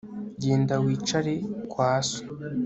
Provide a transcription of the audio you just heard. Genda wicare kwa so